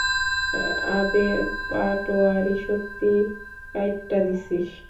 আবে পাটওয়ারি, সত্যি কাইটা দিছিস।